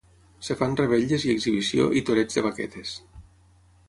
Es fan revetlles i exhibició i toreig de vaquetes.